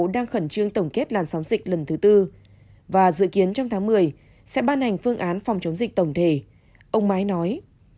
đang khẩn trương tổng kết làn sóng dịch lần thứ tư và dự kiến trong tháng một mươi sẽ ban hành phương án phòng chống dịch tổng thể ông mãi nói